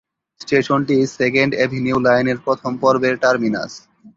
স্টেশনটি second avenue লাইনের প্রথম পর্বের টার্মিনাস।